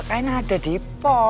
kain ada di pos